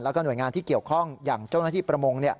แล้วก็หน่วยงานที่เกี่ยวข้องอย่างเจ้าหน้าที่ประมง